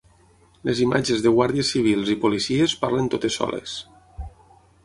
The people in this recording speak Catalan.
Les imatges de guàrdies civils i policies parlen totes soles.